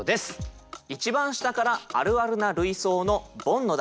一番下からあるあるな類想のボンの段。